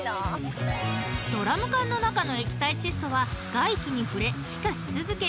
ドラム缶の中の液体窒素は外気に触れ気化し続け